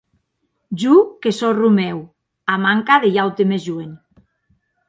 Jo que sò Romèu, a manca de un aute mès joen.